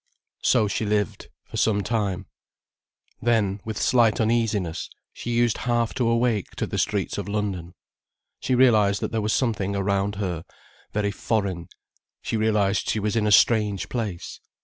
So she lived for some time. Then, with slight uneasiness, she used half to awake to the streets of London. She realized that there was something around her, very foreign, she realized she was in a strange place.